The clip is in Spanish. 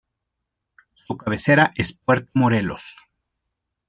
Su cabecera es Puerto Morelos.